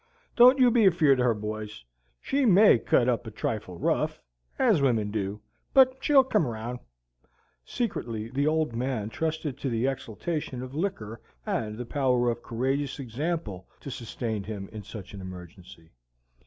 Don't you be afeard o' her, boys. She MAY cut up a trifle rough, ez wimmin do, but she'll come round." Secretly the Old Man trusted to the exaltation of liquor and the power of courageous example to sustain him in such an emergency.